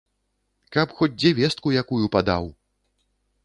Каб хоць дзе вестку якую падаў!